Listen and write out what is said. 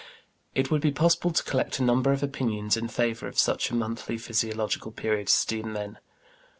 It would be possible to collect a number of opinions in favor of such a monthly physiological periodicity in men.